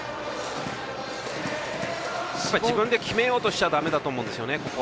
自分で決めようとしちゃだめだと思うんですよね。